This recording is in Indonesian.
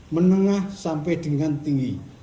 menengah sampai dengan tinggi